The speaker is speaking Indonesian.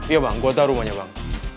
iya bang gue tau rumahnya bang